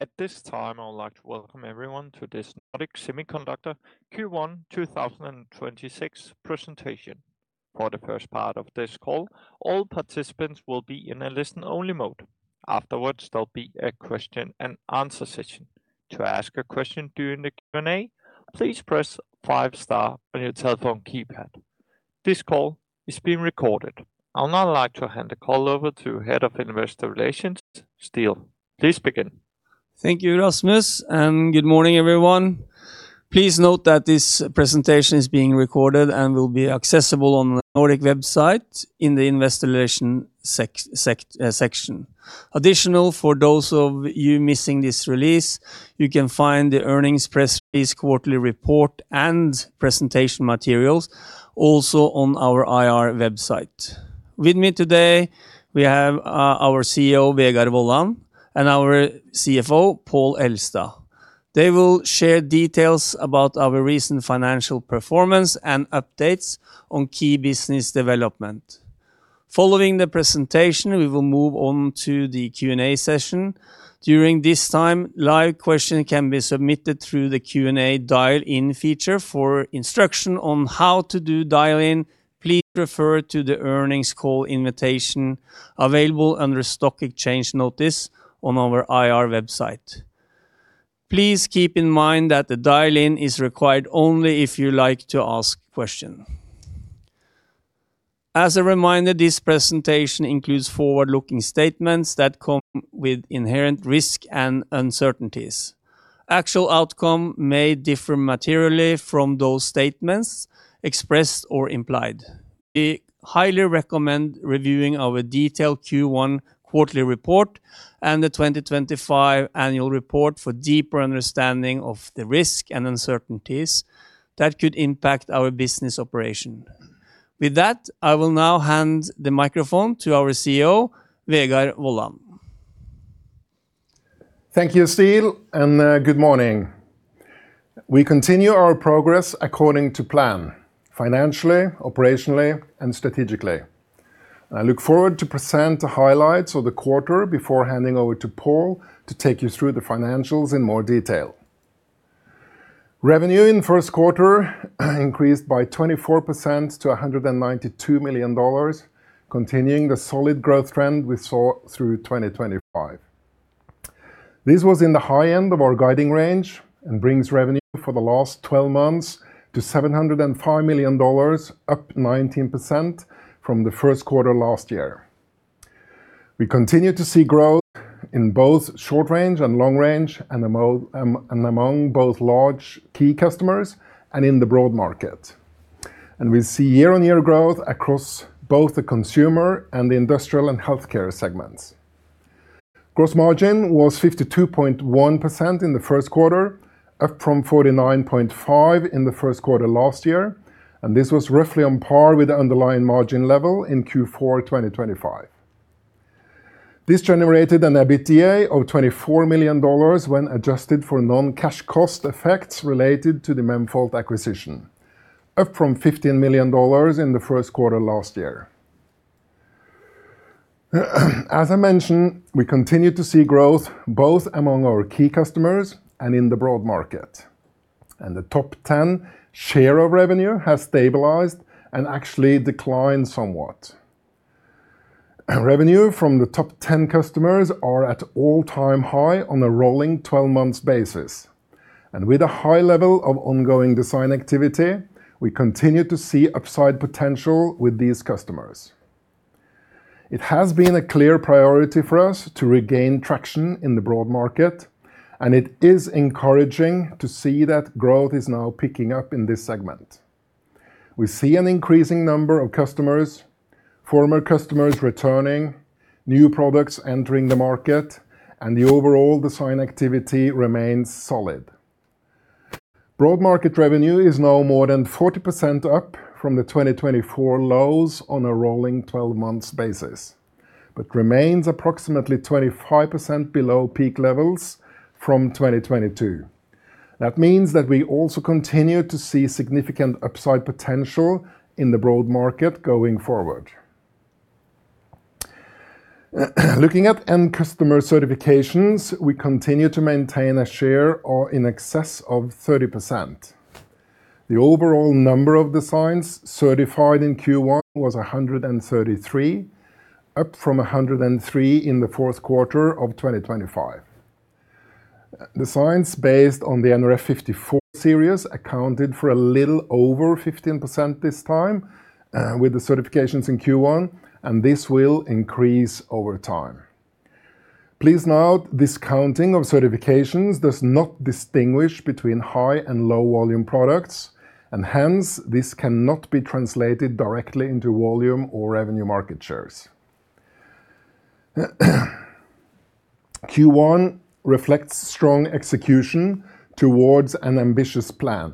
At this time, I would like to welcome everyone to this Nordic Semiconductor Q1 2026 presentation. For the first part of this call, all participants will be in a listen-only mode. Afterwards, there'll be a question and answer session. To ask a question during the Q&A, please press five star on your telephone keypad. This call is being recorded. I would now like to hand the call over to Head of Investor Relations, Ståle. Please begin. Thank you, Rasmus, and good morning, everyone. Please note that this presentation is being recorded and will be accessible on the Nordic website in the Investor Relations section. Additionally, for those of you missing this release, you can find the earnings press release, quarterly report, and presentation materials also on our IR website. With me today, we have our CEO, Vegard Wollan, and our CFO, Pål Elstad. They will share details about our recent financial performance and updates on key business development. Following the presentation, we will move on to the Q&A session. During this time, live questions can be submitted through the Q&A dial-in feature. For instructions on how to do dial-in, please refer to the earnings call invitation available under stock exchange notices on our IR website. Please keep in mind that the dial-in is required only if you like to ask questions. As a reminder, this presentation includes forward-looking statements that come with inherent risk and uncertainties. Actual outcome may differ materially from those statements expressed or implied. We highly recommend reviewing our detailed Q1 quarterly report and the 2025 annual report for deeper understanding of the risk and uncertainties that could impact our business operation. With that, I will now hand the microphone to our CEO, Vegard Wollan. Thank you, Ståle, and good morning. We continue our progress according to plan, financially, operationally, and strategically. I look forward to present the highlights of the quarter before handing over to Pål to take you through the financials in more detail. Revenue in first quarter increased by 24% to $192 million, continuing the solid growth trend we saw through 2025. This was in the high end of our guiding range and brings revenue for the last twelve months to $705 million, up 19% from the first quarter last year. We continue to see growth in both short range and long range and among both large key customers and in the broad market. We see year-on-year growth across both the consumer and the industrial and healthcare segments. Gross margin was 52.1% in the first quarter, up from 49.5% in the first quarter last year, and this was roughly on par with the underlying margin level in Q4 2025. This generated an EBITDA of $24 million when adjusted for non-cash cost effects related to the Memfault acquisition, up from $15 million in the first quarter last year. As I mentioned, we continue to see growth both among our key customers and in the broad market. The top 10 share of revenue has stabilized and actually declined somewhat. Revenue from the top 10 customers are at all-time high on a rolling 12 months basis. With a high level of ongoing design activity, we continue to see upside potential with these customers. It has been a clear priority for us to regain traction in the broad market, and it is encouraging to see that growth is now picking up in this segment. We see an increasing number of customers, former customers returning, new products entering the market, and the overall design activity remains solid. Broad market revenue is now more than 40% up from the 2024 lows on a rolling 12 months basis, but remains approximately 25% below peak levels from 2022. That means that we also continue to see significant upside potential in the broad market going forward. Looking at end customer certifications, we continue to maintain a share of in excess of 30%. The overall number of designs certified in Q1 was 133, up from 103 in the fourth quarter of 2025. Designs based on the nRF54 series accounted for a little over 15% this time with the certifications in Q1, and this will increase over time. Please note this counting of certifications does not distinguish between high and low volume products, and hence, this cannot be translated directly into volume or revenue market shares. Q1 reflects strong execution towards an ambitious plan,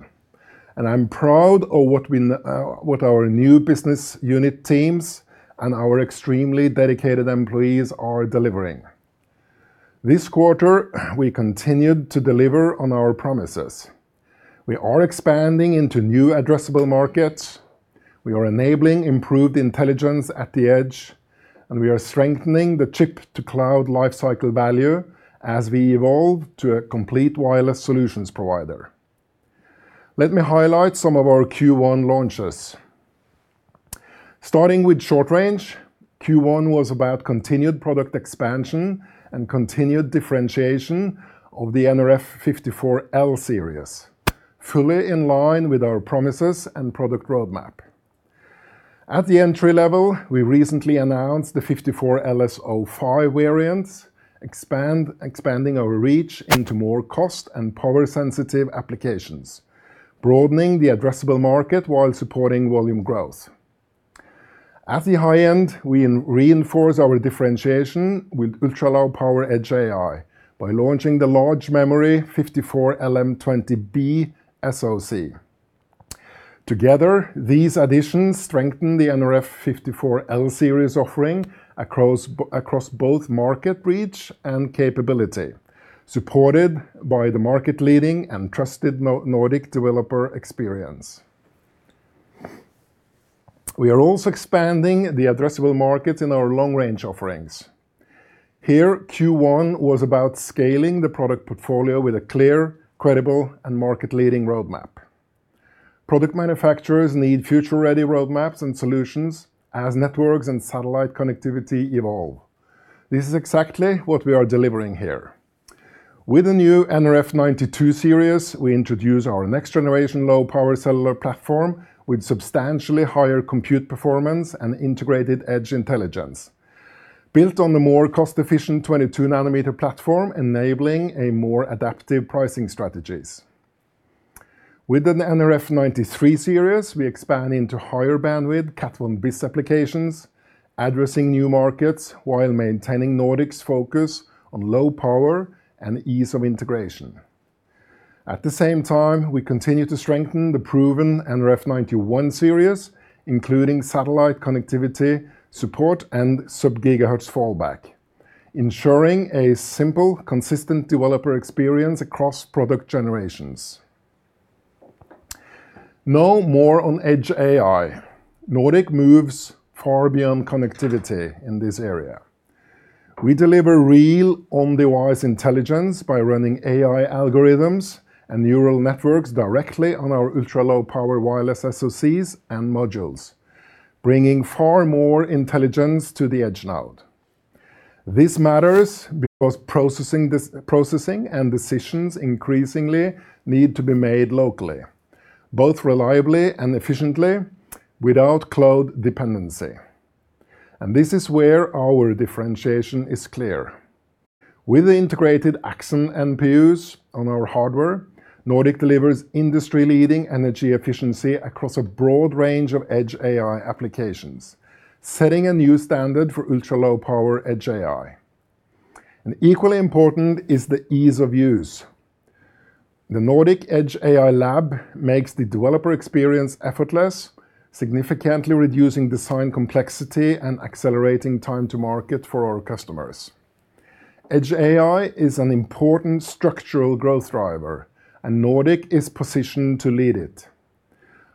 and I'm proud of what our new business unit teams and our extremely dedicated employees are delivering. This quarter, we continued to deliver on our promises. We are expanding into new addressable markets. We are enabling improved intelligence at the edge, and we are strengthening the chip to cloud life cycle value as we evolve to a complete wireless solutions provider. Let me highlight some of our Q1 launches. Starting with short range, Q1 was about continued product expansion and continued differentiation of the nRF54L Series, fully in line with our promises and product roadmap. At the entry level, we recently announced the nRF54LS05 variants, expanding our reach into more cost- and power-sensitive applications, broadening the addressable market while supporting volume growth. At the high end, we reinforce our differentiation with ultra-low-power Edge AI by launching the large-memory nRF54LM20B SoC. Together, these additions strengthen the nRF54L Series offering across both market reach and capability, supported by the market-leading and trusted Nordic developer experience. We are also expanding the addressable markets in our long-range offerings. Here, Q1 was about scaling the product portfolio with a clear, credible, and market-leading roadmap. Product manufacturers need future-ready roadmaps and solutions as networks and satellite connectivity evolve. This is exactly what we are delivering here. With the new nRF92 Series, we introduce our next generation low-power cellular platform with substantially higher compute performance and integrated Edge Intelligence, built on the more cost-efficient 22-nanometer platform, enabling more adaptive pricing strategies. With the nRF93 Series, we expand into higher bandwidth Cat 1 bis applications, addressing new markets while maintaining Nordic's focus on low power and ease of integration. At the same time, we continue to strengthen the proven nRF91 Series, including satellite connectivity, support and sub-gigahertz fallback, ensuring a simple, consistent developer experience across product generations. Now, more on Edge AI, Nordic moves far beyond connectivity in this area. We deliver real on-device intelligence by running AI algorithms and neural networks directly on our ultra-low-power wireless SoCs and modules, bringing far more intelligence to the edge node. This matters because processing and decisions increasingly need to be made locally, both reliably and efficiently without cloud dependency. This is where our differentiation is clear. With the integrated Axon NPUs on our hardware, Nordic delivers industry-leading energy efficiency across a broad range of Edge AI applications, setting a new standard for ultra-low power Edge AI. Equally important is the ease of use. The Nordic Edge AI Lab makes the developer experience effortless, significantly reducing design complexity and accelerating time to market for our customers. Edge AI is an important structural growth driver, and Nordic is positioned to lead it.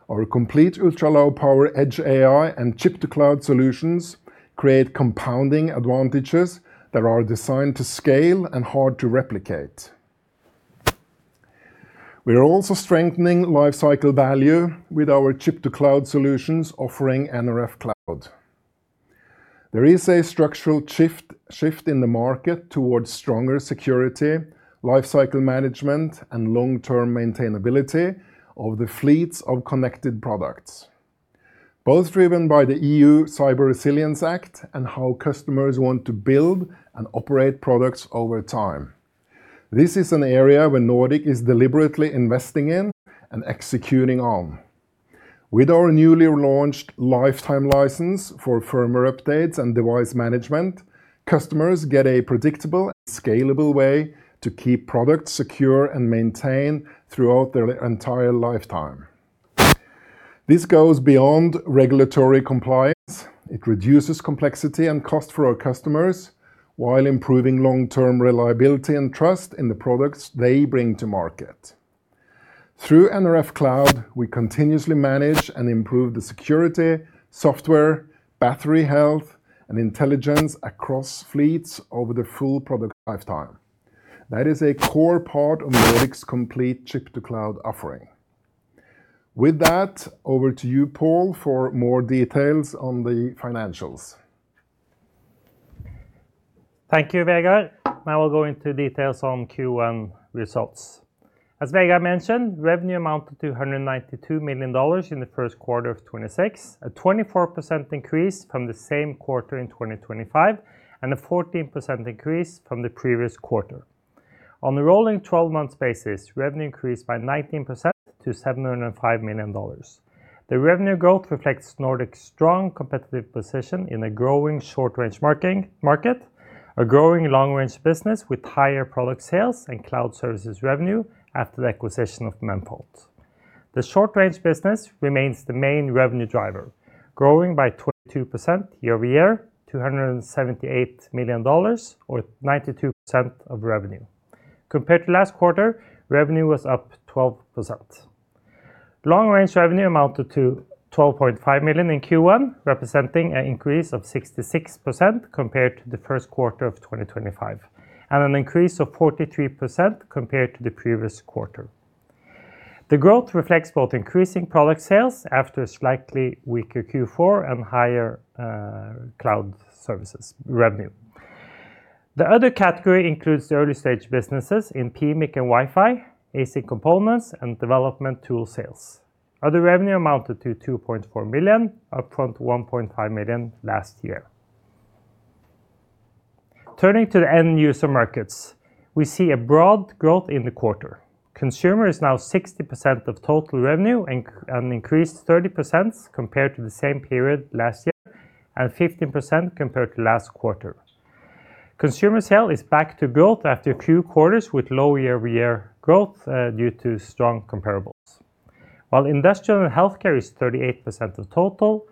Our complete ultra-low power Edge AI and chip to cloud solutions create compounding advantages that are designed to scale and hard to replicate. We are also strengthening life cycle value with our chip to cloud solutions offering nRF Cloud. There is a structural shift in the market towards stronger security, life cycle management, and long-term maintainability of the fleets of connected products, both driven by the EU Cyber Resilience Act and how customers want to build and operate products over time. This is an area where Nordic is deliberately investing in and executing on. With our newly launched Lifetime License for firmware updates and device management, customers get a predictable and scalable way to keep products secure and maintained throughout their entire lifetime. This goes beyond regulatory compliance, it reduces complexity and cost for our customers while improving long-term reliability and trust in the products they bring to market. Through nRF Cloud, we continuously manage and improve the security, software, battery health, and intelligence across fleets over the full product lifetime. That is a core part of Nordic's complete chip to cloud offering. With that, over to you, Pål, for more details on the financials. Thank you, Vegard. Now we'll go into details on Q1 results. As Vegard mentioned, revenue amounted to $292 million in the first quarter of 2026, a 24% increase from the same quarter in 2025, and a 14% increase from the previous quarter. On a rolling 12 months basis, revenue increased by 19% to $705 million. The revenue growth reflects Nordic's strong competitive position in a growing short-range market, a growing long-range business with higher product sales and cloud services revenue after the acquisition of Memfault. The short-range business remains the main revenue driver, growing by 22% year-over-year, $278 million or 92% of revenue. Compared to last quarter, revenue was up 12%. Long-range revenue amounted to $12.5 million in Q1, representing an increase of 66% compared to the first quarter of 2025, and an increase of 43% compared to the previous quarter. The growth reflects both increasing product sales after a slightly weaker Q4 and higher cloud services revenue. The other category includes the early-stage businesses in PMIC and Wi-Fi, ASIC components, and development tool sales. Other revenue amounted to $2.4 million, up from $1.5 million last year. Turning to the end user markets, we see a broad growth in the quarter. Consumer is now 60% of total revenue and increased 30% compared to the same period last year and 15% compared to last quarter. Consumer sales are back to growth after a few quarters with low year-over-year growth due to strong comparables. While industrial and healthcare is 38% of total,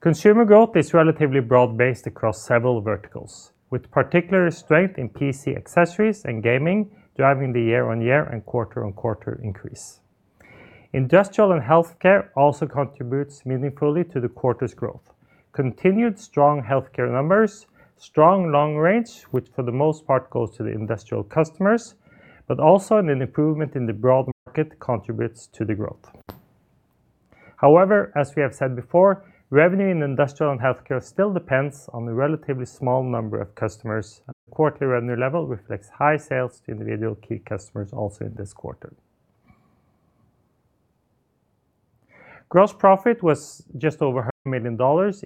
consumer growth is relatively broad-based across several verticals, with particular strength in PC accessories and gaming, driving the year-on-year and quarter-on-quarter increase. Industrial and healthcare also contributes meaningfully to the quarter's growth. Continued strong healthcare numbers, strong long range, which for the most part goes to the industrial customers, but also in an improvement in the broad market contributes to the growth. However, as we have said before, revenue in industrial and healthcare still depends on a relatively small number of customers, and the quarterly revenue level reflects high sales to individual key customers also in this quarter. Gross profit was just over $100 million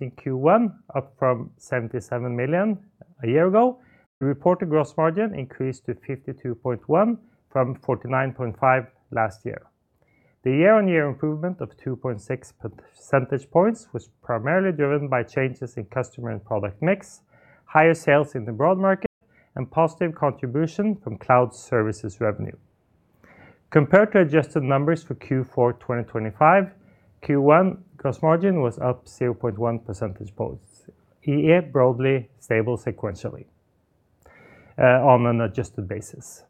in Q1, up from $77 million a year ago. The reported gross margin increased to 52.1% from 49.5% last year. The year-on-year improvement of 2.6 percentage points was primarily driven by changes in customer and product mix, higher sales in the broad market, and positive contribution from cloud services revenue. Compared to adjusted numbers for Q4 2025, Q1 gross margin was up 0.1 percentage points, i.e., broadly stable sequentially, on an adjusted basis.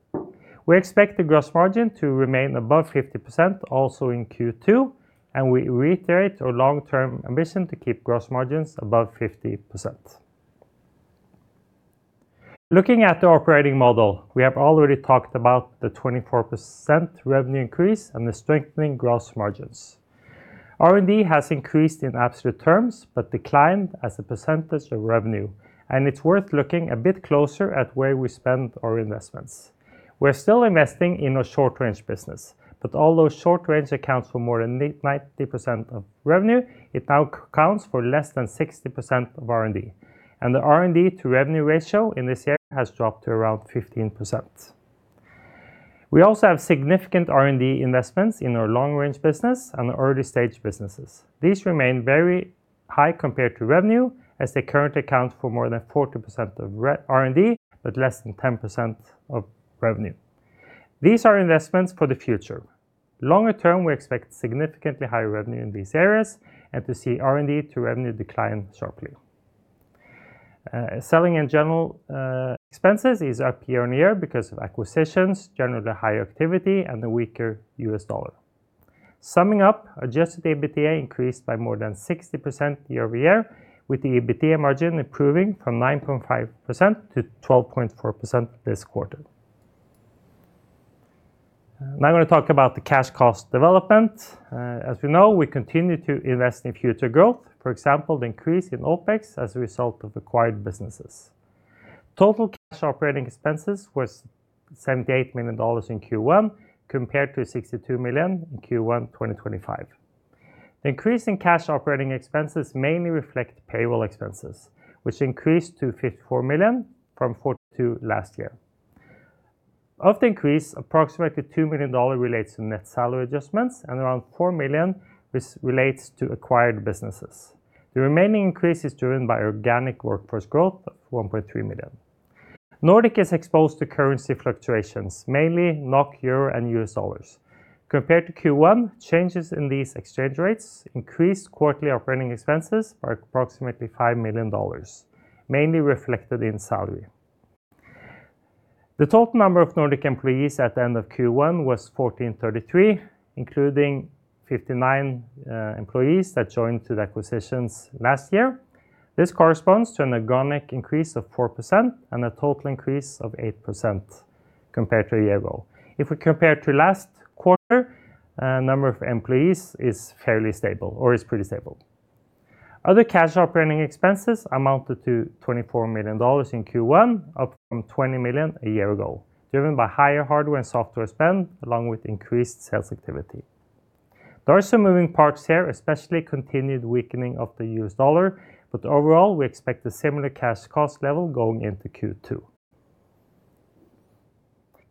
We expect the gross margin to remain above 50% also in Q2, and we reiterate our long-term ambition to keep gross margins above 50%. Looking at the operating model, we have already talked about the 24% revenue increase and the strengthening gross margins. R&D has increased in absolute terms, but declined as a percentage of revenue, and it's worth looking a bit closer at where we spend our investments. We're still investing in our short-range business, but although short-range accounts for more than 90% of revenue, it now accounts for less than 60% of R&D, and the R&D to revenue ratio in this area has dropped to around 15%. We also have significant R&D investments in our long-range business and early-stage businesses. These remain very high compared to revenue as they currently account for more than 40% of R&D, but less than 10% of revenue. These are investments for the future. Longer term, we expect significantly higher revenue in these areas and to see R&D to revenue decline sharply. Selling and general expenses is up year-on-year because of acquisitions, generally higher activity, and the weaker U.S. dollar. Summing up, adjusted EBITDA increased by more than 60% year-over-year, with the EBITDA margin improving from 9.5% to 12.4% this quarter. Now I'm going to talk about the cash cost development. As we know, we continue to invest in future growth, for example, the increase in OpEx as a result of acquired businesses. Total cash operating expenses was $78 million in Q1, compared to $62 million in Q1 2025. The increase in cash operating expenses mainly reflect payroll expenses, which increased to $54 million from $42 million last year. Of the increase, approximately $2 million relates to net salary adjustments and around $4 million relates to acquired businesses. The remaining increase is driven by organic workforce growth of $1.3 million. Nordic is exposed to currency fluctuations, mainly NOK, Euro, and US dollars. Compared to Q1, changes in these exchange rates increased quarterly operating expenses by approximately $5 million, mainly reflected in salary. The total number of Nordic employees at the end of Q1 was 1,433, including 59 employees that joined through the acquisitions last year. This corresponds to an organic increase of 4% and a total increase of 8% compared to a year ago. If we compare to last quarter, number of employees is fairly stable or is pretty stable. Other cash operating expenses amounted to $24 million in Q1, up from $20 million a year ago, driven by higher hardware and software spend, along with increased sales activity. There are some moving parts here, especially continued weakening of the US dollar, but overall, we expect a similar cash cost level going into Q2.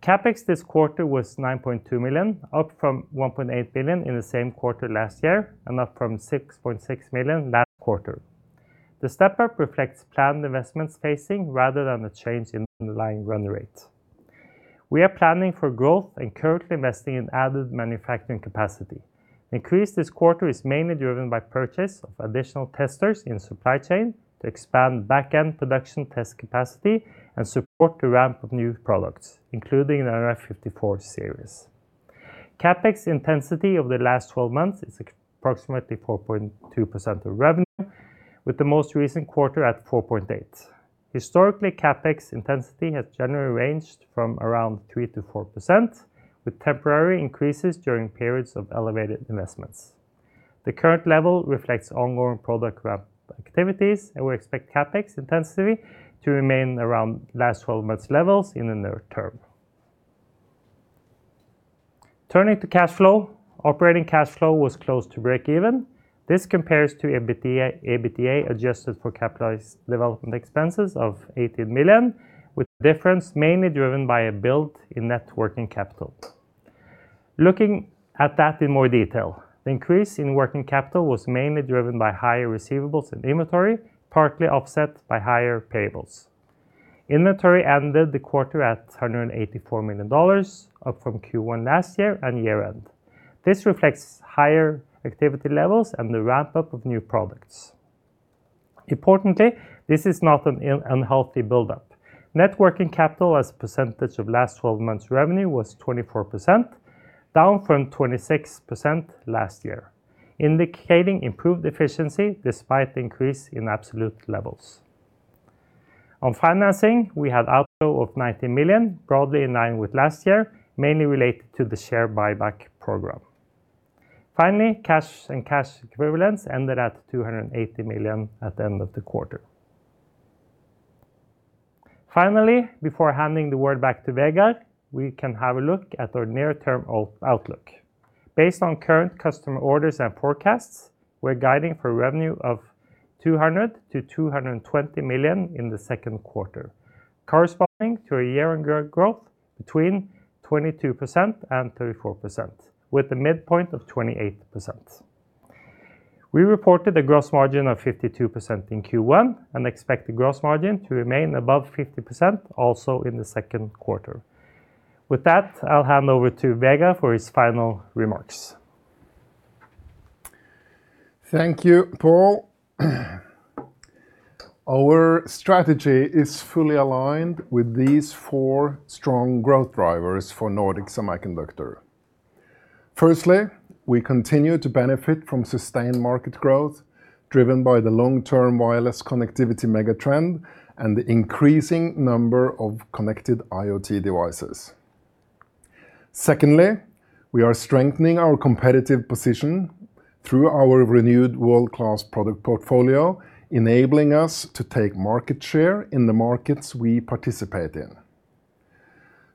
CapEx this quarter was $9.2 million, up from $1.8 million in the same quarter last year and up from $6.6 million last quarter. The step-up reflects planned investments phasing rather than a change in underlying run rate. We are planning for growth and currently investing in added manufacturing capacity. The increase this quarter is mainly driven by purchase of additional testers in supply chain to expand back-end production test capacity and support the ramp of new products, including the nRF54 Series. CapEx intensity over the last 12 months is approximately 4.2% of revenue, with the most recent quarter at 4.8%. Historically, CapEx intensity has generally ranged from around 3%-4%, with temporary increases during periods of elevated investments. The current level reflects ongoing product ramp activities, and we expect CapEx intensity to remain around last twelve months levels in the near term. Turning to cash flow, operating cash flow was close to breakeven. This compares to EBITDA adjusted for capitalized development expenses of $18 million, with the difference mainly driven by a build in net working capital. Looking at that in more detail, the increase in working capital was mainly driven by higher receivables and inventory, partly offset by higher payables. Inventory ended the quarter at $284 million, up from Q1 last year and year-end, this reflects higher activity levels and the ramp-up of new products. Importantly, this is not an unhealthy buildup, net working capital as a percentage of last 12 months revenue was 24%, down from 26% last year, indicating improved efficiency despite the increase in absolute levels. On financing, we had outflow of $19 million, broadly in line with last year, mainly related to the share buyback program. Finally, cash and cash equivalents ended at $280 million at the end of the quarter. Finally, before handing the word back to Vegard, we can have a look at our near-term outlook. Based on current customer orders and forecasts, we're guiding for revenue of $200 million-$220 million in the second quarter, corresponding to a year-on-year growth between 22% and 34%, with a midpoint of 28%. We reported a gross margin of 52% in Q1 and expect the gross margin to remain above 50% also in the second quarter. With that, I'll hand over to Vegard for his final remarks. Thank you, Pål. Our strategy is fully aligned with these four strong growth drivers for Nordic Semiconductor. Firstly, we continue to benefit from sustained market growth driven by the long-term wireless connectivity mega trend and the increasing number of connected IoT devices. Secondly, we are strengthening our competitive position through our renewed world-class product portfolio, enabling us to take market share in the markets we participate in.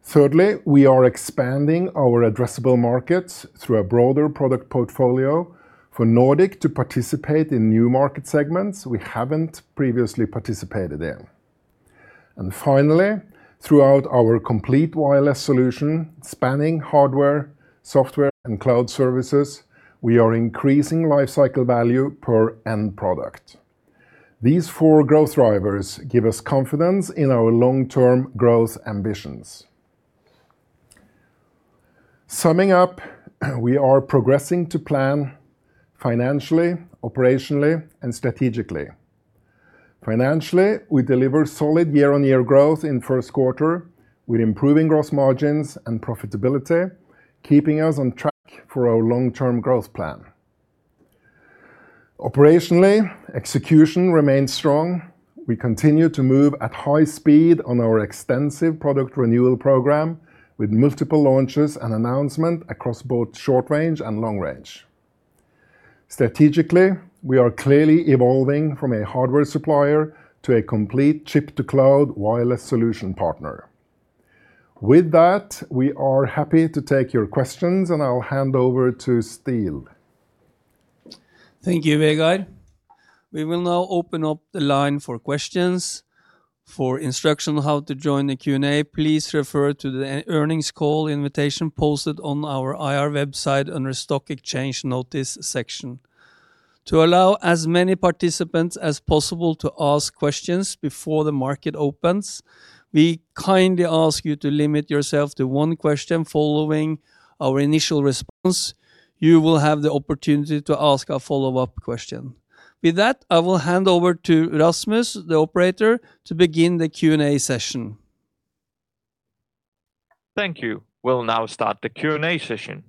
Thirdly, we are expanding our addressable markets through a broader product portfolio for Nordic to participate in new market segments we haven't previously participated in. Finally, throughout our complete wireless solution, spanning hardware, software, and cloud services, we are increasing life cycle value per end product. These four growth drivers give us confidence in our long-term growth ambitions. Summing up, we are progressing to plan financially, operationally, and strategically. Financially, we deliver solid year-on-year growth in first quarter with improving gross margins and profitability, keeping us on track for our long-term growth plan. Operationally, execution remains strong, we continue to move at high speed on our extensive product renewal program with multiple launches and announcement across both short range and long range. Strategically, we are clearly evolving from a hardware supplier to a complete chip to cloud wireless solution partner. With that, we are happy to take your questions, and I'll hand over to Ståle. Thank you, Vegard. We will now open up the line for questions. For instruction on how to join the Q&A, please refer to the earnings call invitation posted on our IR website under Stock Exchange Notice section. To allow as many participants as possible to ask questions before the market opens, we kindly ask you to limit yourself to one question following our initial response. You will have the opportunity to ask a follow-up question. With that, I will hand over to Rasmus, the operator, to begin the Q&A session. Thank you. We'll now start the Q&A session.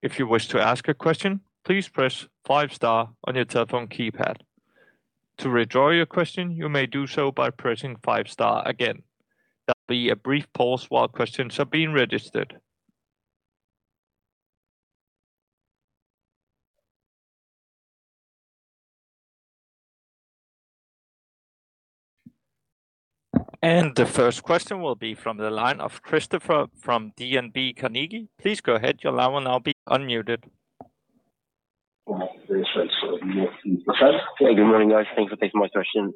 If you wish to ask a question, please press five star on your telephone keypad. To withdraw your question, you may do so by pressing five star again. There'll be a brief pause while questions are being registered. The first question will be from the line of Christoffer from DNB Carnegie. Please go ahead. Your line will now be unmuted. Good morning, guys. Thanks for taking my question.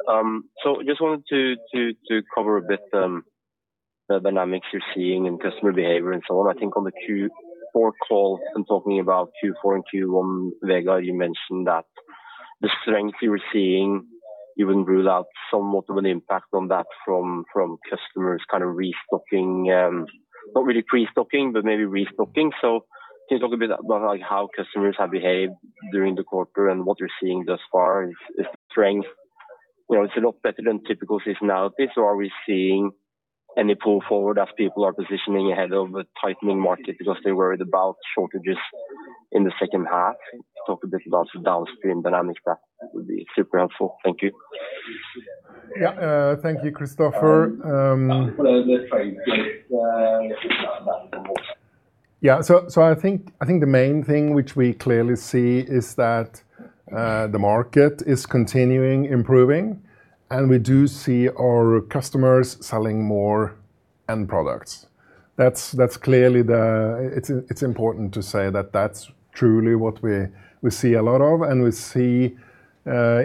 Just wanted to cover a bit the dynamics you're seeing in customer behavior and so on. I think on the Q4 call and talking about Q4 and Q1, Vegard, you mentioned that the strength you were seeing, you wouldn't rule out somewhat of an impact on that from customers kind of restocking, not really pre-stocking, but maybe restocking. Can you talk a bit about, like, how customers have behaved during the quarter and what you're seeing thus far? Is the strength, you know, it's a lot better than typical seasonality, so are we seeing any pull forward as people are positioning ahead of a tightening market because they're worried about shortages in the second half? Talk a bit about the downstream dynamics, that would be super helpful. Thank you. Thank you, Christoffer. The main thing which we clearly see is that the market is continuing improving, and we do see our customers selling more end products. That's clearly the. It's important to say that that's truly what we see a lot of, and we see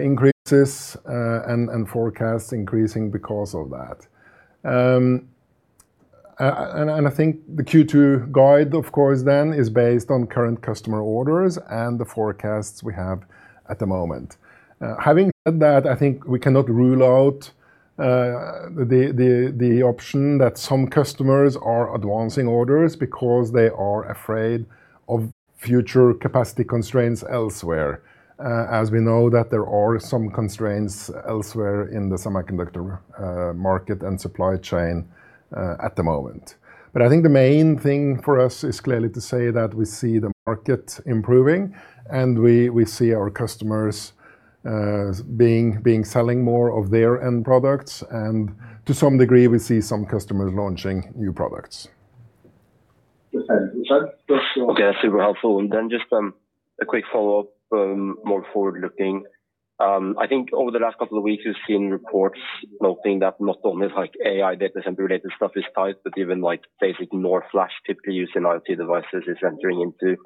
increases and increasing forecasts because of that. I think the Q2 guide, of course, is based on current customer orders and the forecasts we have at the moment. Having said that, I think we cannot rule out the option that some customers are advancing orders because they are afraid of future capacity constraints elsewhere. As we know that there are some constraints elsewhere in the semiconductor market and supply chain at the moment. I think the main thing for us is clearly to say that we see the market improving, and we see our customers being selling more of their end products. To some degree, we see some customers launching new products. Okay. Super helpful. Then just a quick follow-up, more forward-looking. I think over the last couple of weeks, we've seen reports noting that not only like AI data center related stuff is tight, but even like basic NOR flash typically used in IoT devices is entering into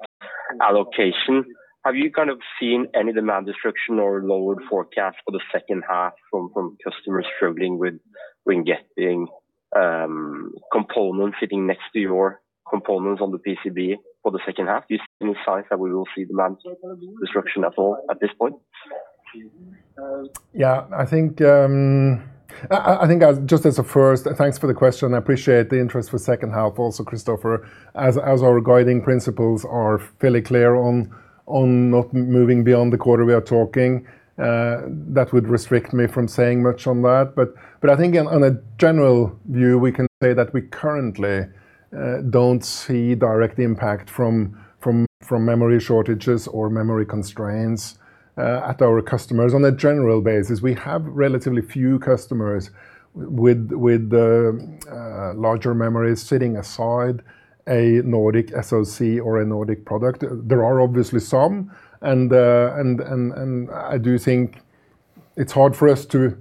allocation. Have you kind of seen any demand destruction or lowered forecast for the second half from customers struggling with getting components sitting next to your components on the PCB for the second half? Do you see any signs that we will see demand destruction at all at this point? Yeah. I think just as a first, thanks for the question. I appreciate the interest for second half also, Christoffer. As our guiding principles are fairly clear on not moving beyond the quarter we are talking, that would restrict me from saying much on that. I think on a general view, we can say that we currently don't see direct impact from memory shortages or memory constraints at our customers. On a general basis, we have relatively few customers with larger memories sitting aside a Nordic SoC or a Nordic product. There are obviously some, and I do think it's hard for us to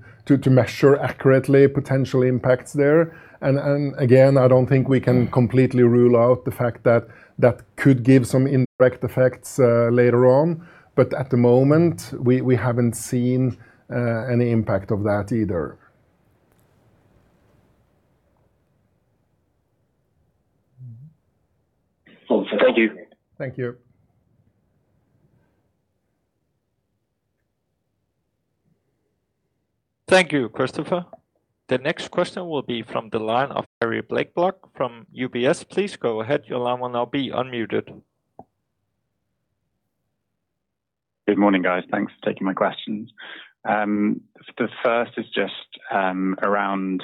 measure accurately potential impacts there. Again, I don't think we can completely rule out the fact that that could give some indirect effects later on, but at the moment, we haven't seen any impact of that either. Awesome. Thank you. Thank you. Thank you, Christoffer. The next question will be from the line of Harry Blaiklock from UBS. Please go ahead. Your line will now be unmuted. Good morning, guys. Thanks for taking my questions. The first is just around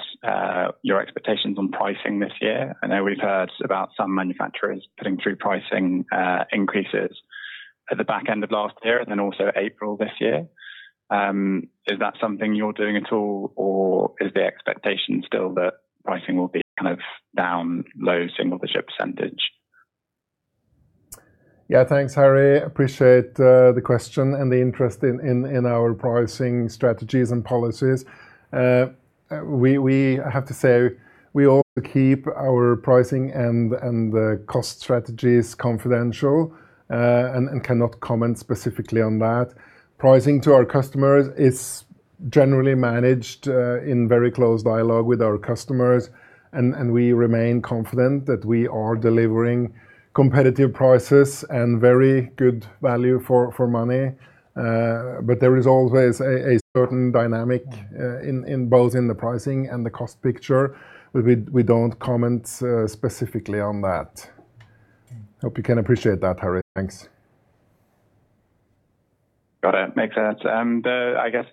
your expectations on pricing this year. I know we've heard about some manufacturers putting through pricing increases at the back end of last year, and then also April this year. Is that something you're doing at all, or is the expectation still that pricing will be kind of down low single-digit percentage? Yeah. Thanks, Harry. Appreciate the question and the interest in our pricing strategies and policies. I have to say, we also keep our pricing and the cost strategies confidential and cannot comment specifically on that. Pricing to our customers is generally managed in very close dialogue with our customers, and we remain confident that we are delivering competitive prices and very good value for money. But there is always a certain dynamic in both the pricing and the cost picture. We don't comment specifically on that. Hope you can appreciate that, Harry. Thanks. Got it. Makes sense. I guess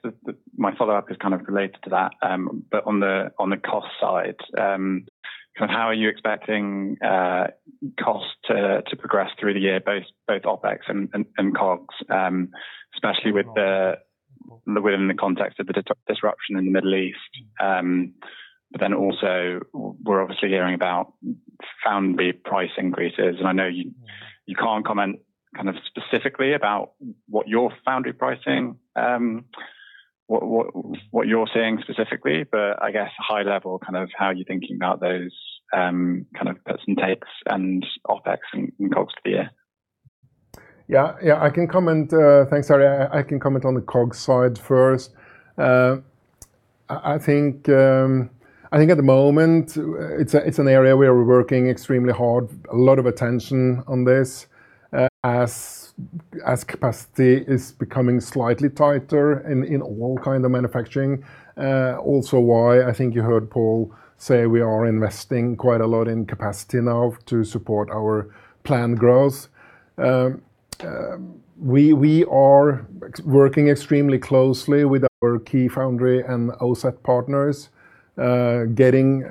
my follow-up is kind of related to that, but on the cost side, kind of how are you expecting cost to progress through the year, both OpEx and CapEx, especially within the context of the disruption in the Middle East. Also we're obviously hearing about foundry price increases, and I know you can't comment kind of specifically about what your foundry pricing, what you're seeing specifically, but I guess high level, kind of how you're thinking about those kind of puts and takes and OpEx and CapEx for you. Yeah, I can comment. Thanks, Harry. I can comment on the COGS side first. I think at the moment, it's an area we are working extremely hard, a lot of attention on this as capacity is becoming slightly tighter in all kinds of manufacturing. That's also why I think you heard Pål say we are investing quite a lot in capacity now to support our planned growth. We are working extremely closely with our key foundry and OSAT partners, getting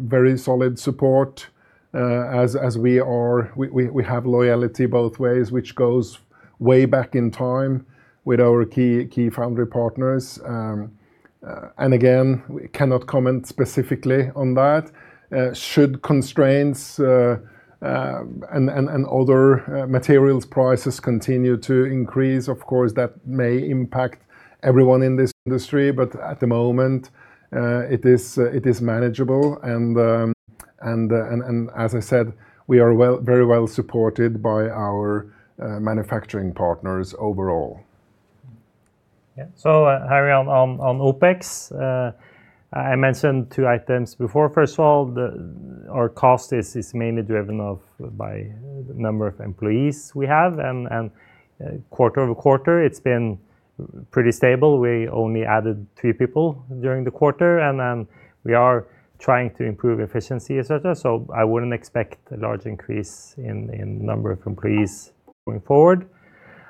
very solid support, as we are. We have loyalty both ways, which goes way back in time with our key foundry partners. Again, we cannot comment specifically on that, should constraints and other materials prices continue to increase, of course, that may impact everyone in this industry. At the moment, it is manageable. As I said, we are very well supported by our manufacturing partners overall. Harry, on OpEx, I mentioned two items before. First of all, our cost is mainly driven by the number of employees we have, and quarter-over-quarter, it's been pretty stable. We only added three people during the quarter, and then we are trying to improve efficiency, et cetera so, I wouldn't expect a large increase in number of employees going forward.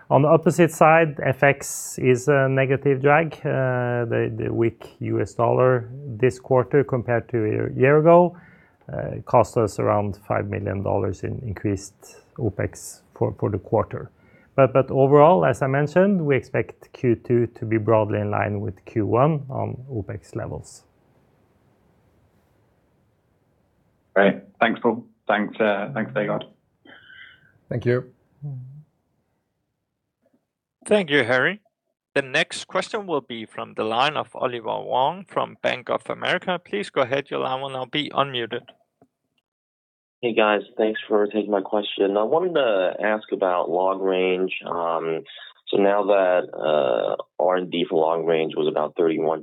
On the opposite side, FX is a negative drag, the weak U.S. dollar this quarter compared to a year ago cost us around $5 million in increased OpEx for the quarter. Overall, as I mentioned, we expect Q2 to be broadly in line with Q1 on OpEx levels. Great. Thanks, Pål. Thanks, Vegard. Thank you. Thank you, Harry. The next question will be from the line of Oliver Wong from Bank of America. Please go ahead, your line will now be unmuted. Hey, guys. Thanks for taking my question. I wanted to ask about Long Range, so now that R&D for Long Range was about 31%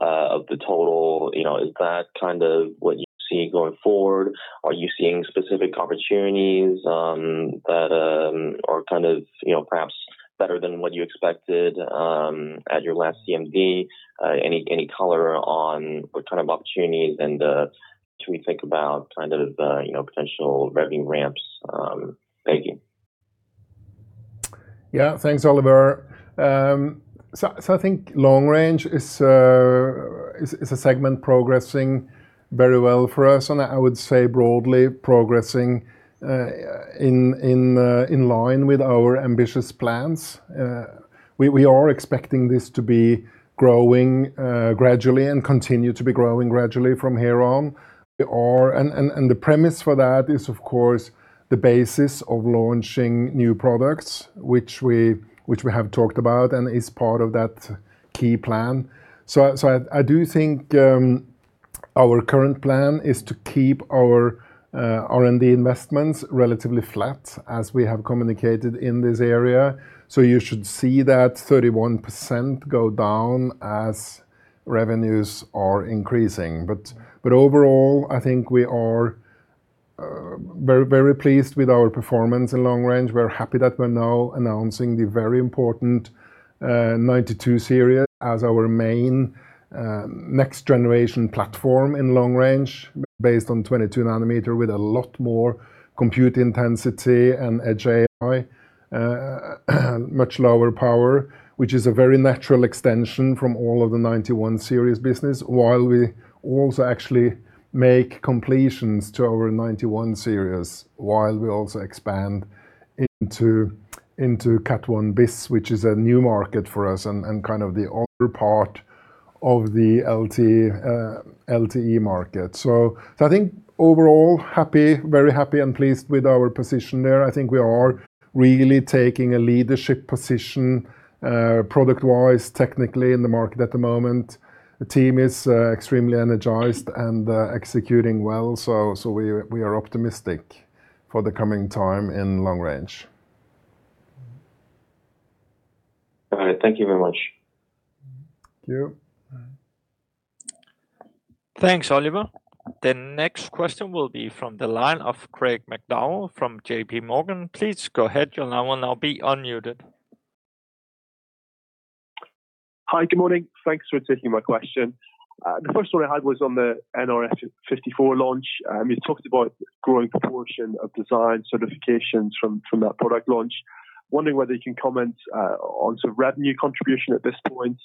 of the total is that kind of what you see going forward? Are you seeing specific opportunities that are kind of, you know, perhaps better than what you expected at your last CMD? Any color on what kind of opportunities and can we think about kind of potential revenue ramps making? Yeah. Thanks, Oliver. I think Long Range is a segment progressing very well for us, and I would say broadly progressing in line with our ambitious plans. We are expecting this to be growing gradually and continue to be growing gradually from here on. The premise for that is, of course, the basis of launching new products, which we have talked about and is part of that key plan. Our current plan is to keep our R&D investments relatively flat, as we have communicated in this area. You should see that 31% go down as revenues are increasing but overall, I think we are very pleased with our performance in Long Range. We're happy that we're now announcing the very important nRF92 Series as our main next generation platform in long range based on 22-nanometer with a lot more compute intensity and Edge AI, much lower power, which is a very natural extension from all of the nRF91 Series business, while we also actually make complements to our nRF91 Series, while we also expand into Cat 1 bis, which is a new market for us and kind of the other part of the LTE market. I think overall, happy, very happy and pleased with our position there. I think we are really taking a leadership position, product-wise, technically in the market at the moment. The team is extremely energized and executing well. We are optimistic for the coming time in long range. All right. Thank you very much. Thank you. Thanks, Oliver. The next question will be from the line of Craig McDowell from JPMorgan. Please go ahead, your line will now be unmuted. Hi. Good morning. Thanks for taking my question. The first one I had was on the nRF54 launch. You talked about growing proportion of design certifications from that product launch. Wondering whether you can comment on sort of revenue contribution at this point.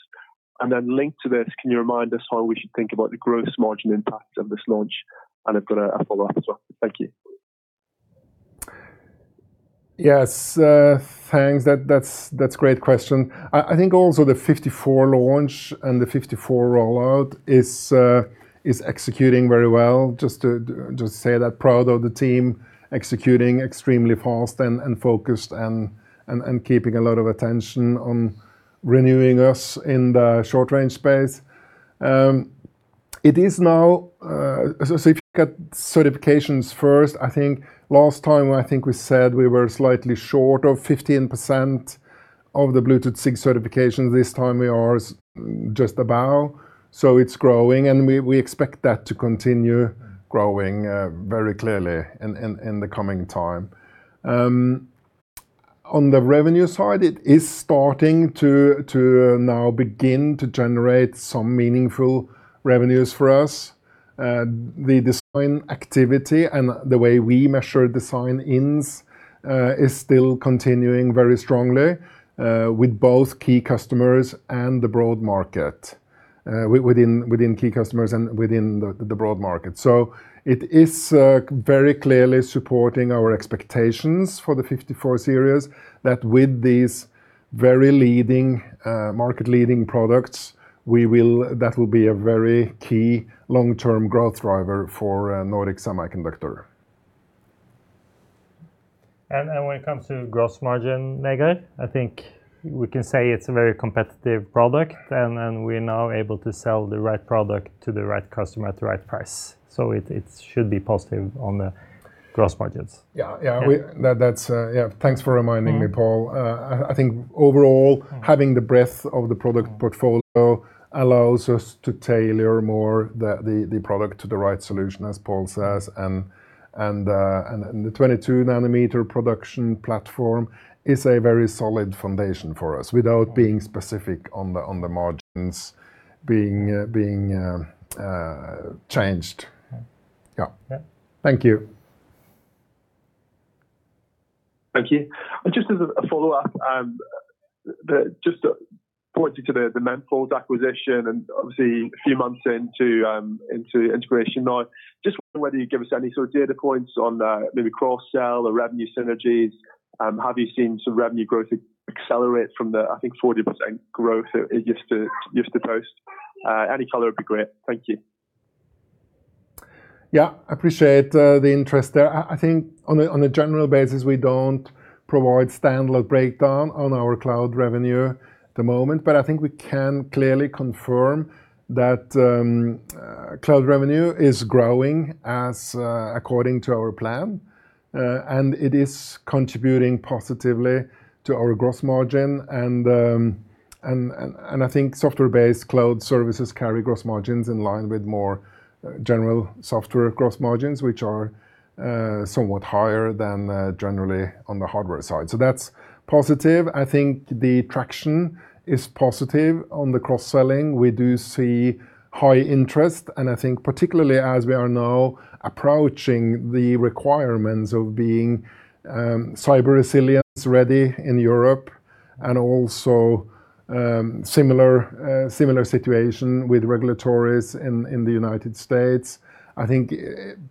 Then linked to this, can you remind us how we should think about the gross margin impact of this launch? I've got a follow-up as well. Thank you. Yes. Thanks. That's a great question. I think also the nRF54 launch and the nRF54 rollout is executing very well. Just to say that proud of the team executing extremely fast and focused and keeping a lot of attention on renewing us in the short range space. It is now, so if you've got certifications first, I think last time we said we were slightly short of 15% of the Bluetooth SIG certification. This time we are just about, so it's growing, and we expect that to continue growing very clearly in the coming time. On the revenue side, it is starting to now begin to generate some meaningful revenues for us. The design activity and the way we measure design-ins is still continuing very strongly with both key customers and the broad market. Within key customers and the broad market. It is very clearly supporting our expectations for the nRF54 Series, that with these very leading market-leading products, that will be a very key long-term growth driver for Nordic Semiconductor. When it comes to gross margin, Vegard, I think we can say it's a very competitive product, and then we're now able to sell the right product to the right customer at the right price. It should be positive on the gross margins. Yeah. Yeah. Yeah. Yeah, thanks for reminding me, Pål. I think overall. Mm. Having the breadth of the product portfolio allows us to tailor more the product to the right solution, as Pål says and the 22-nanometer production platform is a very solid foundation for us, without being specific on the margins being changed. Yeah. Yeah. Thank you. Thank you. Just as a follow-up, pointing to the Memfault acquisition, and obviously a few months into integration now, just wondering whether you'd give us any sort of data points on maybe cross-sell or revenue synergies. Have you seen some revenue growth accelerate from the, I think, 40% growth it used to post? Any color would be great. Thank you. Yeah, appreciate the interest there. I think on a general basis, we don't provide standalone breakdown on our cloud revenue at the moment. I think we can clearly confirm that cloud revenue is growing according to our plan, and it is contributing positively to our gross margin. I think software-based cloud services carry gross margins in line with more general software gross margins, which are somewhat higher than generally on the hardware side. That's positive. I think the traction is positive on the cross-selling, we do see high interest, and I think particularly as we are now approaching the requirements of being Cyber Resilience ready in Europe and also similar situation with regulatories in the United States.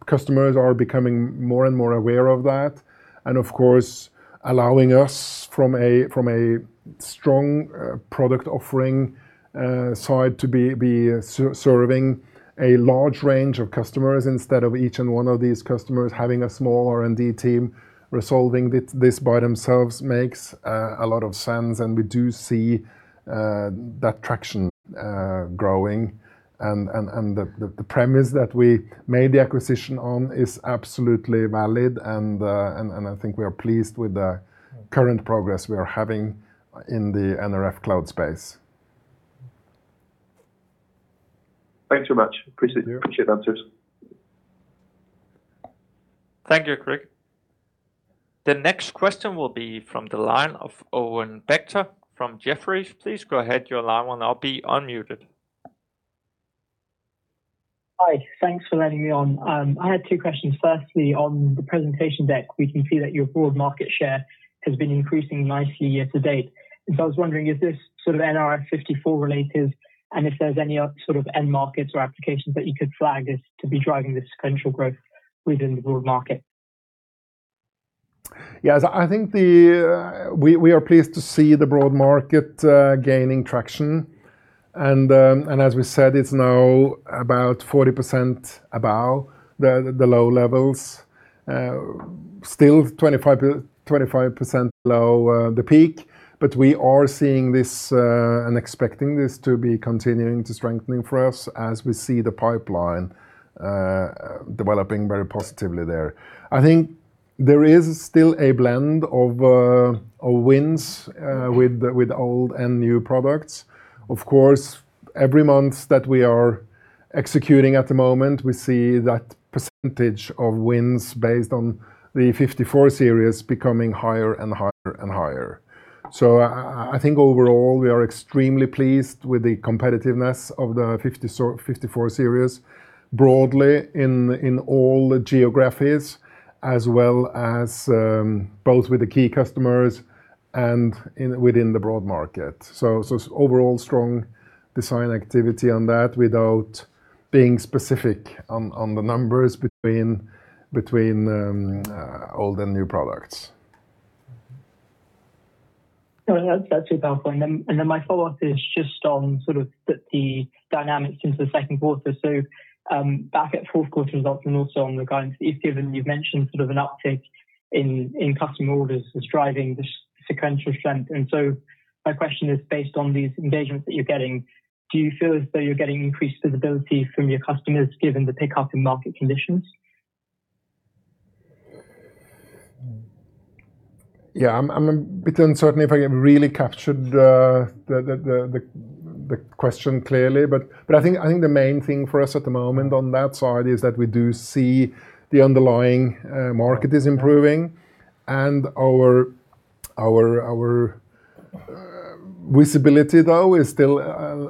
Customers are becoming more and more aware of that, and of course, allowing us from a strong product offering side to be serving a large range of customers, instead of each and one of these customers having a small R&D team resolving this by themselves makes a lot of sense. We do see that traction growing and the premise that we made the acquisition on is absolutely valid and I think we are pleased with the current progress we are having in the nRF Cloud space. Thanks very much. Yeah. Appreciate the answers. Thank you, Craig. The next question will be from the line of Om Bakhda from Jefferies. Please go ahead, your line will now be unmuted. Hi. Thanks for letting me on. I had two questions. Firstly, on the presentation deck, we can see that your broad market share has been increasing nicely year to date. I was wondering, is this sort of nRF54 related? If there's any other sort of end markets or applications that you could flag as to be driving the sequential growth within the broad market. Yes. I think we are pleased to see the broad market gaining traction. As we said, it's now about 40% above the low levels, still 25% below the peak but we are seeing this and expecting this to be continuing to strengthening for us as we see the pipeline developing very positively there. I think there is still a blend of wins with old and new products. Of course, every month that we are executing at the moment, we see that percentage of wins based on the nRF54 Series becoming higher and higher. I think overall, we are extremely pleased with the competitiveness of the nRF54 Series broadly in all geographies, as well as both with the key customers and within the broad market. Overall strong design activity on that without being specific on the numbers between old and new products. No, that's really helpful. My follow-up is just on sort of the dynamics into the second quarter. Back at fourth quarter results and also on the guidance, if given, you've mentioned sort of an uptick in customer orders is driving this sequential strength. My question is based on these engagements that you're getting, do you feel as though you're getting increased visibility from your customers given the pickup in market conditions? Yeah. I'm a bit uncertain if I really captured the question clearly. I think the main thing for us at the moment on that side is that we do see the underlying market is improving and our visibility though is still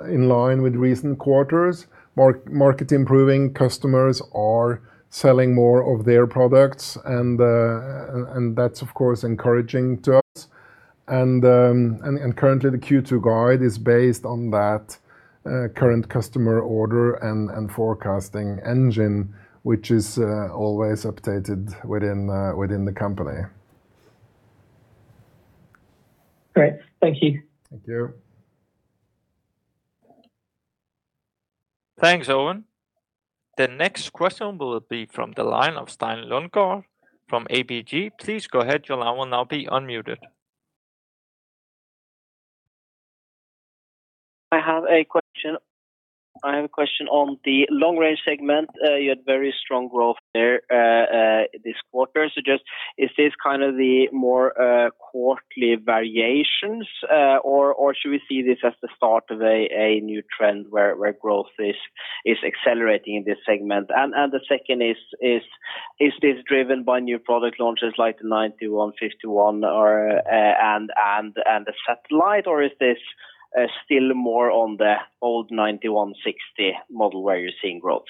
in line with recent quarters. Market improving customers are selling more of their products and that's of course encouraging to us. Currently the Q2 guide is based on that current customer order and forecasting engine, which is always updated within the company. Great. Thank you. Thank you. Thanks, Om. The next question will be from the line of Øystein Lodgaard from ABG. Please go ahead. Your line will now be unmuted. I have a question on the long range segment. You had very strong growth there this quarter. Just, is this kind of the more quarterly variations, or should we see this as the start of a new trend where growth is accelerating in this segment? The second is this driven by new product launches like the nRF9151 or the satellite, or is this still more on the old nRF9160 model where you're seeing growth?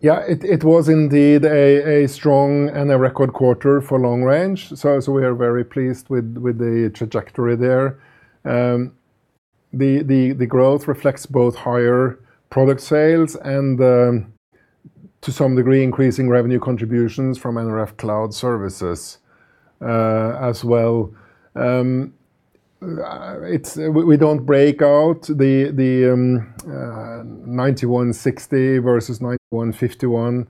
Yeah. It was indeed a strong and a record quarter for long range. We are very pleased with the trajectory there. The growth reflects both higher product sales and to some degree increasing revenue contributions from nRF Cloud services as well. We don't break out the nRF9160 versus nRF9151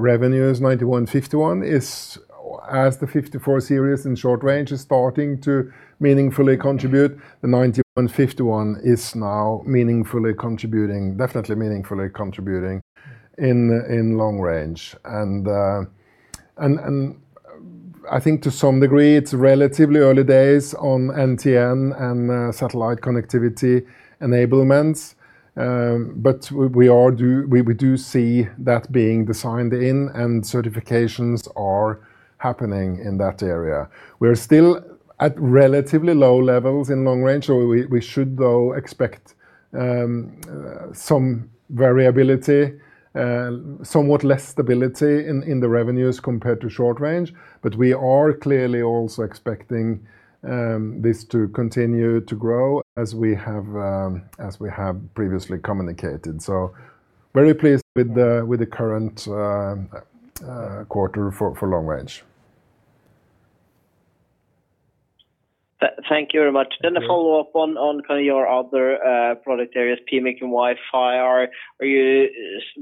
revenues. nRF9151 is, as the nRF54 Series in short range is starting to meaningfully contribute, the nRF9151 now meaningfully contributing, definitely meaningfully contributing in long range. I think to some degree it's relatively early days on NTN and satellite connectivity enablements. We do see that being designed in and certifications are happening in that area. We're still at relatively low levels in long range, so we should though expect some variability, somewhat less stability in the revenues compared to short range. We are clearly also expecting this to continue to grow as we have previously communicated. Very pleased with the current quarter for long range. Thank you very much. Yeah. To follow up on kind of your other product areas, PMIC and Wi-Fi.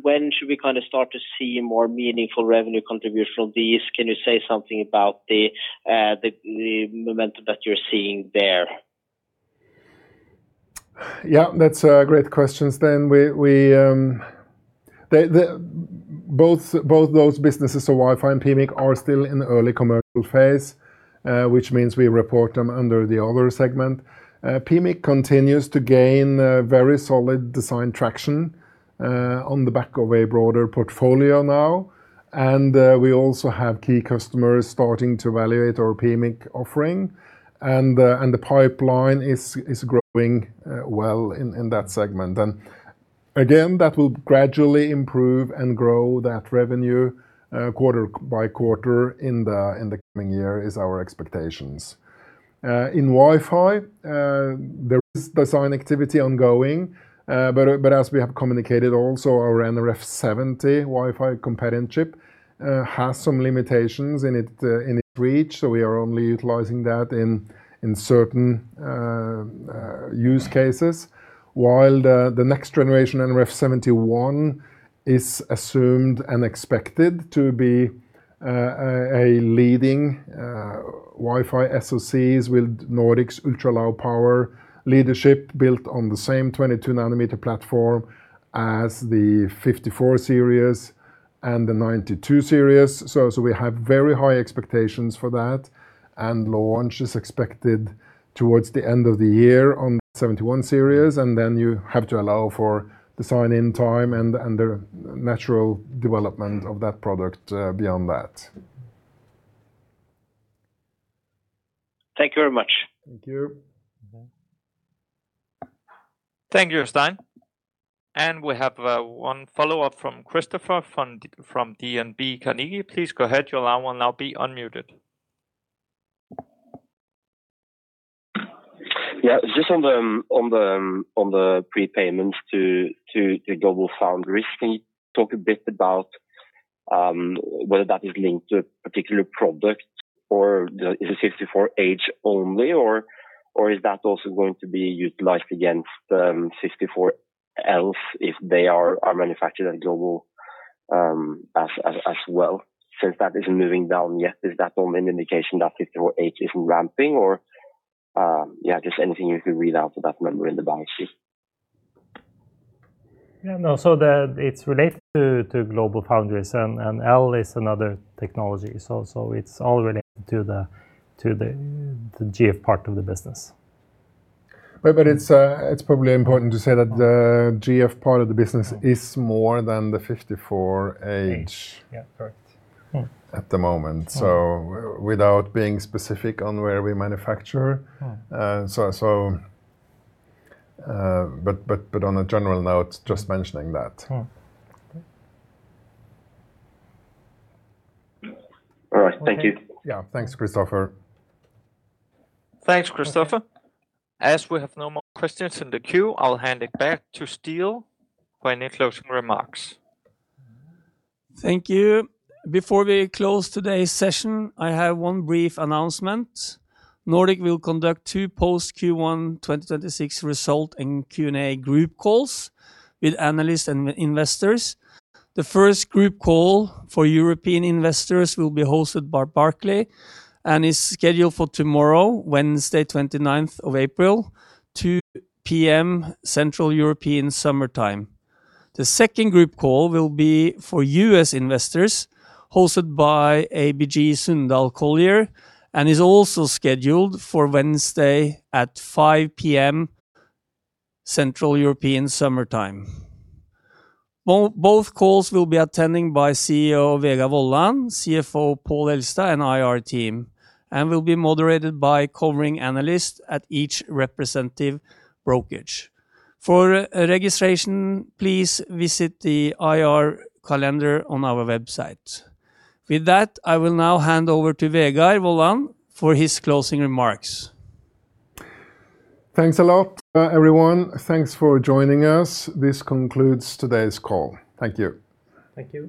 When should we kind of start to see more meaningful revenue contribution from these? Can you say something about the momentum that you're seeing there? Yeah. That's great questions. Both those businesses, so Wi-Fi and PMIC, are still in early commercial phase, which means we report them under the other segment. PMIC continues to gain very solid design traction on the back of a broader portfolio now. We also have key customers starting to evaluate our PMIC offering. The pipeline is growing well in that segment. Again, that will gradually improve and grow that revenue quarter by quarter in the coming year is our expectations. In Wi-Fi, there is design activity ongoing. As we have communicated also our nRF70 Wi-Fi companion chip has some limitations in its reach, so we are only utilizing that in certain use cases. While the next generation nRF7001 is assumed and expected to be a leading Wi-Fi asset with Nordic's ultra-low power leadership built on the same 22 nanometer platform as the nRF54 Series and the nRF92 Series. We have very high expectations for that, and launch is expected towards the end of the year on the nRF7001 Series, and then you have to allow for design-in time and the natural development of that product beyond that. Thank you very much. Thank you. Thank you, Øystein. We have one follow-up from Christoffer from DNB Carnegie. Please go ahead. Your line will now be unmuted. Yeah. Just on the prepayments to GlobalFoundries, can you talk a bit about? Whether that is linked to a particular product or, is it nRF54H only or is that also going to be utilized against nRF54Ls if they are manufactured at GlobalFoundries as well? Since that isn't moving down yet, is that all an indication that nRF54H isn't ramping? Yeah, just anything you could read out of that number in the balance sheet. Yeah, no. It's related to GlobalFoundries and L is another technology. It's all related to the GF part of the business. Right. It's probably important to say that the GF part of the business is more than the 54H- Yeah, correct. at the moment. Without being specific on where we manufacture. Mm. On a general note, just mentioning that. Okay. All right. Thank you. Yeah. Thanks, Christoffer. Thanks, Christoffer. As we have no more questions in the queue, I'll hand it back to Ståle for any closing remarks. Thank you. Before we close today's session, I have one brief announcement. Nordic will conduct two post Q1 2026 result and Q&A group calls with analysts and investors. The first group call for European investors will be hosted by Barclays, and is scheduled for tomorrow, Wednesday, 29th of April, 2:00 P.M. Central European Summer Time. The second group call will be for U.S. investors hosted by ABG Sundal Collier, and is also scheduled for Wednesday at 5:00 P.M. Central European Summer Time. Both calls will be attended by CEO Vegard Wollan, CFO Pål Elstad, and IR team, and will be moderated by covering analysts at each representative brokerage. For registration, please visit the IR calendar on our website. With that, I will now hand over to Vegard Wollan for his closing remarks. Thanks a lot, everyone. Thanks for joining us. This concludes today's call. Thank you. Thank you.